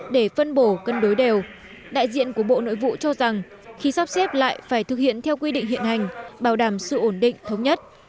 để phân bổ cân đối đều đại diện của bộ nội vụ cho rằng khi sắp xếp lại phải thực hiện theo quy định hiện hành bảo đảm sự ổn định thống nhất